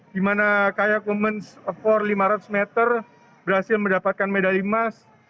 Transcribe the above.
di mana kayak women's for lima ratus meter berhasil mendapatkan medali emas